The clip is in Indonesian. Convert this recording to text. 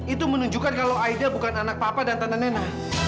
itu menunjukkan kalau aida bukan anak papa dan tante nenek